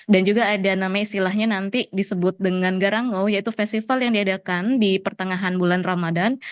dan juga ada nama istilahnya nanti disebut dengan garanggau yaitu festival yang diadakan di pertengahan bulan ramadan